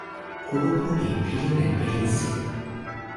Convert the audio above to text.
kulupu li pilin e pilin sin.